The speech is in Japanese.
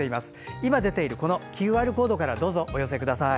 今、出ているこのＱＲコードからお寄せください。